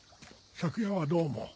昨夜はどうも。